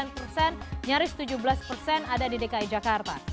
sembilan persen nyaris tujuh belas persen ada di dki jakarta